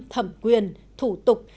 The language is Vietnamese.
thẩm quyền thủ tục